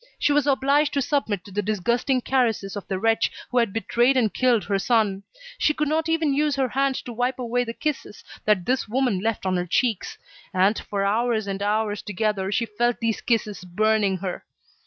She was obliged to submit to the disgusting caresses of the wretch who had betrayed and killed her son. She could not even use her hand to wipe away the kisses that this woman left on her cheeks; and, for hours and hours together, she felt these kisses burning her.